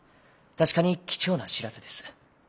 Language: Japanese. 確かに貴重な知らせです。